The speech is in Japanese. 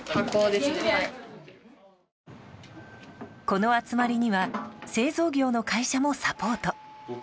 この集まりには製造業の会社もサポート。